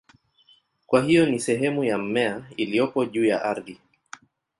Kwa hiyo ni sehemu ya mmea iliyopo juu ya ardhi.